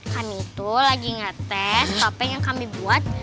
kami itu lagi ngetes apa yang kami buat